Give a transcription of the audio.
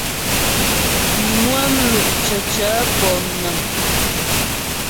Nwə́ mlú' cəcə̂ mònə̀ŋ.